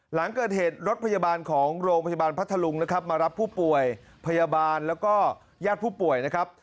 หลังเกิดเหตุรถพยาบาลของโรงพยาบาลพัทธลุงนะครับมารับผู้ป่วยพยาบาลแล้วก็ญาติผู้ป่วยนะครับ